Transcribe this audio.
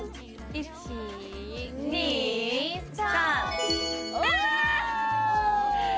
１２３。